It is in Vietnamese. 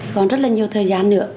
còn rất là nhiều thời gian nữa